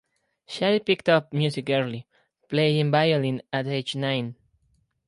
Shari picked up music early, playing violin at age nine.